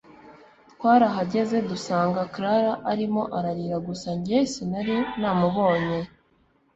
Twarahageze dusanga Clara arimo ararira gusa njye sinari namubonye